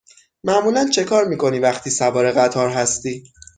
معمولا چکار می کنی وقتی سوار قطار هستی؟